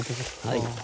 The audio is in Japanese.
はい。